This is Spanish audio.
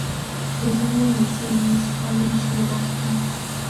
Enseña en el Simmons College de Boston.